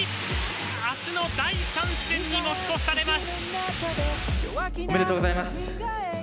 あすの第３戦に持ち越されます。